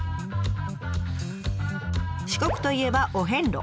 四国といえばお遍路。